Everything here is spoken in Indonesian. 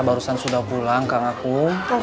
barusan sudah pulang kak akung